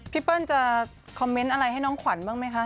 เปิ้ลจะคอมเมนต์อะไรให้น้องขวัญบ้างไหมคะ